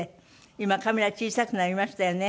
今カメラ小さくなりましたよね。